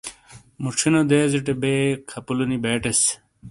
موچھونو دیزٹے بے خپلو نی بے ٹیس۔